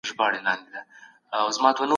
د جرګې نویو غړو ته لازمي لارښووني څوک کوي؟